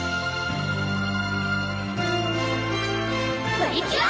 プリキュア！